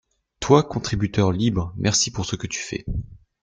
Toi contributeur libre, merci pour ce que tu fais.